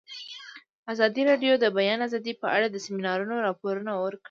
ازادي راډیو د د بیان آزادي په اړه د سیمینارونو راپورونه ورکړي.